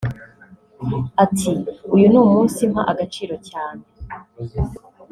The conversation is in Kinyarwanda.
Ati “Uyu ni umunsi mpa agaciro cyane